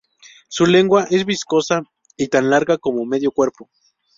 Su lengua es viscosa y tan larga como medio cuerpo.